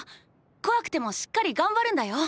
怖くてもしっかりがんばるんだよ。